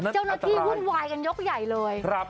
เจ้าหน้าที่วุ่นวายกันยกใหญ่เลย